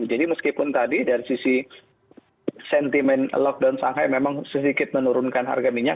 jadi meskipun tadi dari sisi sentimen lockdown shanghai memang sedikit menurunkan harga minyak